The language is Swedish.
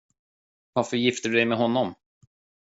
Varför gifte du dig med honom?